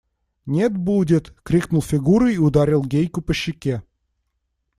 – Нет, будет! – крикнул Фигура и ударил Гейку по щеке.